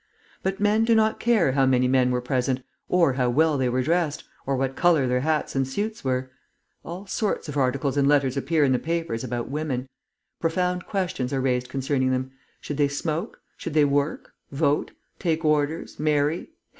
But men do not care how many men were present, or how well they were dressed, or what colour their hats and suits were. All sorts of articles and letters appear in the papers about women. Profound questions are raised concerning them. Should they smoke? Should they work? Vote? Take Orders? Marry?